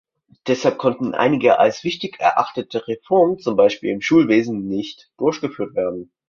Deshalb konnten einige als wichtig erachtete Reformen zum Beispiel im Schulwesen nicht durchgeführt werden.